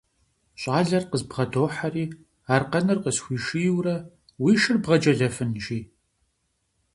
Щӏалэр къызбгъэдохьэри, аркъэныр къысхуишийуэрэ, уи шыр бгъэджэлэфын, жи.